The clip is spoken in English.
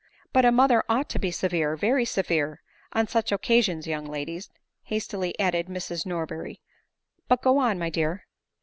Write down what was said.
" But a mother ought to be severe, very severe, on such occasions, young ladies," hastily added Mrs^ Nor berry ;" but go on, my dear."